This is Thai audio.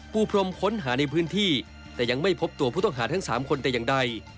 ปูพรมค้นหาในพื้นที่แต่ยังไม่พบตัวผู้ต้องหาทั้ง๓คนแต่อย่างใด